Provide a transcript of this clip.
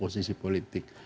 terhadap oposisi politik